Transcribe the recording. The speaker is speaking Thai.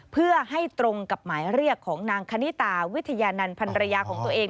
เพื่อให้ตรงกับหมายเรียกของนางคณิตาวิทยานันต์พันรยาของตัวเอง